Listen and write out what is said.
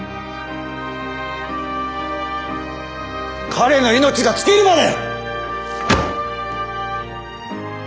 彼の命が尽きるまで！